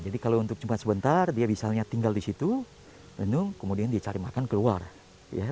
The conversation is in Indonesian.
jadi kalau untuk cuma sebentar dia misalnya tinggal di situ renung kemudian dia cari makan keluar ya